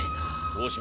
大島